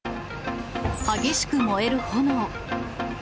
激しく燃える炎。